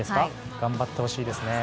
頑張ってほしいですね。